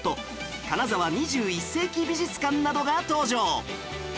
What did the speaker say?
金沢２１世紀美術館などが登場